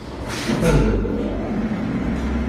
Ssardent.